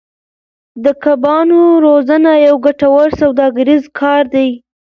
د کبانو روزنه یو ګټور سوداګریز کار دی.